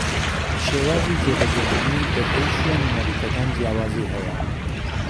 شێوازی جێبەجێکردنی بەپێی شوێن و نەریتەکان جیاوازی ھەیە